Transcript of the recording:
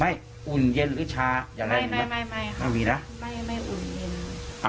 ไม่อุ่นเย็นหรือชาไม่ไม่ใช่ไม่มีนะ